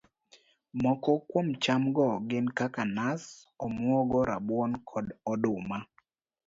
Moko kuom cham go gin kaka nas, omuogo, rabuon, kod oduma